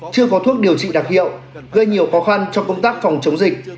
chưa có thuốc điều trị đặc hiệu gây nhiều khó khăn cho công tác phòng chống dịch